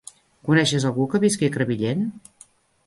Coneixes algú que visqui a Crevillent?